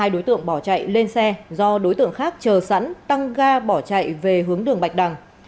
hai đối tượng bỏ chạy lên xe do đối tượng khác chờ sẵn tăng ga bỏ chạy về hướng đường bạch đằng